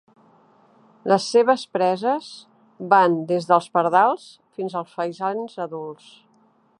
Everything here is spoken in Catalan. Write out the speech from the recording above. Les seves preses van des dels pardals fins als faisans adults.